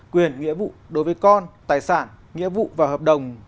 quyền nghĩa vụ đối với con tài sản nghĩa vụ và hợp đồng